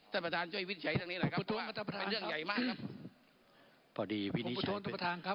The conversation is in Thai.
ท่านประธานช่วยวินิจฉัยทางนี้นะครับว่าเป็นเรื่องใหญ่มากครับ